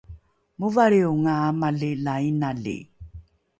movalrionga amali la inali